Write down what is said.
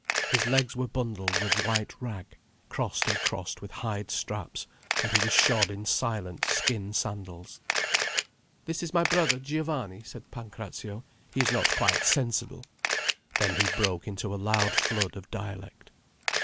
His legs were bundled with white rag, crossed and crossed with hide straps, and he was shod in silent skin sandals. "This is my brother Giovanni," said Pancrazio. "He is not quite sensible." Then he broke into a loud flood of dialect.